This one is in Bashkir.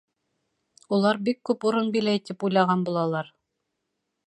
Улар бик күп урын биләй тип уйлаған булалар.